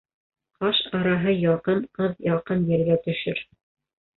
Ҡаш араһы яҡын ҡыҙ яҡын ергә төшөр.